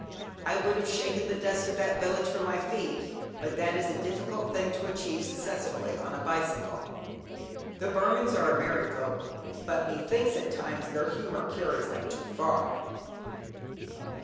I would have shaken the dust of that village from my feet, but that is a difficult thing to achieve successfully on a bicycle. The Burmans are a merry folk, but methinks at times their humour carries them too far.